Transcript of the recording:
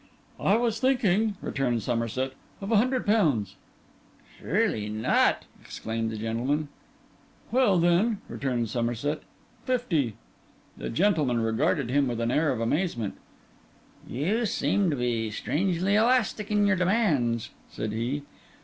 'I was thinking,' returned Somerset, 'of a hundred pounds.' 'Surely not,' exclaimed the gentleman. 'Well, then,' returned Somerset, 'fifty.' The gentleman regarded him with an air of some amazement. 'You seem to be strangely elastic in your demands,' said he.